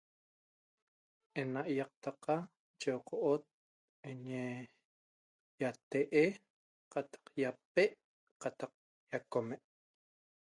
Ena iaqtaqa checoo't eñe iatee' qataq iape qataq iaqome